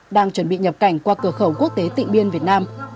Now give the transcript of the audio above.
đang chuẩn bị nhập cảnh qua cửa khẩu quốc tế tịnh biên việt nam